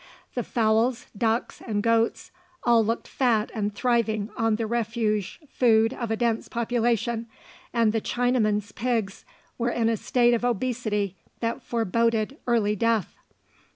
The fowls, ducks, and goats all looked fat and thriving on the refuse food of a dense population, and the Chinamen's pigs were in a state of obesity that foreboded early death.